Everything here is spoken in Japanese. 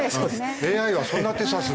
ＡＩはそんな手指す。